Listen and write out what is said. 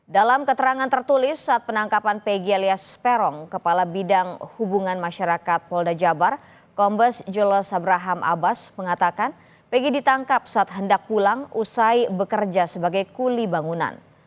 dalam keterangan tertulis saat penangkapan pegi alias peron kepala bidang hubungan masyarakat polda jabar kombes jeles abraham abbas mengatakan peggy ditangkap saat hendak pulang usai bekerja sebagai kuli bangunan